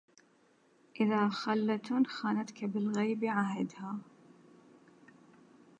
إذا خلة خانتك بالغيب عهدها